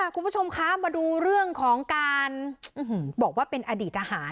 คุณผู้ชมคะมาดูเรื่องของการบอกว่าเป็นอดีตทหาร